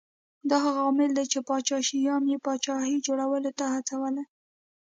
دا هغه عامل دی چې پاچا شیام یې پاچاهۍ جوړولو ته هڅولی